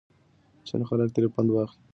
چې خلک ترې پند واخلي.